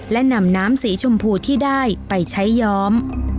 และนำน้ำสีชมพูที่ได้ไปใช้ย้อม